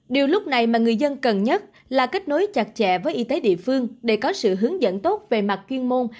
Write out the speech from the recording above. điều lúc này mà người dân cần nhất là kết nối chặt chẽ với y tế địa phương để có sự hướng dẫn tốt về mặt chuyên môn